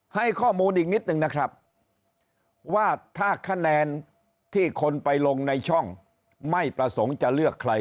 ให้ข้อมูลอีกนิดนึงนะครับว่าถ้าคะแนนที่คนไปลงในช่องไม่ประสงค์จะเลือกใคร